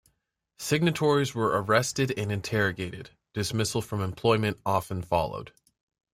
Signatories were arrested and interrogated; dismissal from employment often followed.